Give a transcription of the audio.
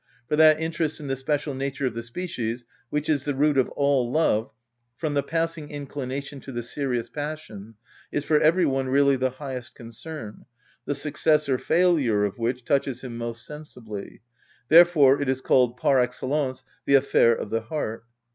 For that interest in the special nature of the species, which is the root of all love, from the passing inclination to the serious passion, is for every one really the highest concern, the success or failure of which touches him most sensibly; therefore it is called par excellence the affair of the heart.